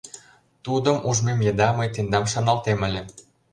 — Тудым ужмем еда мый тендам шарналтем ыле.